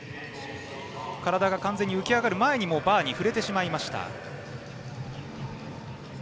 体が完全に浮き上がる前にバーに触れてしまいました。